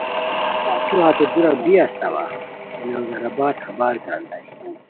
تو ہتے دُورا بی استاوا؟ لنگرآباد خبرگانیتائے